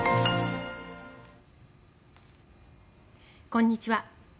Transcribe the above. こんにちは。